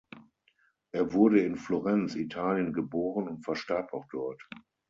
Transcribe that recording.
Er wurde in Florenz, Italien, geboren und verstarb auch dort.